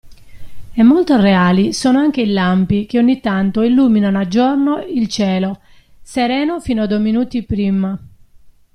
E molto reali sono anche i lampi che ogni tanto illuminano a giorno il cielo, sereno fino a due minuti prima.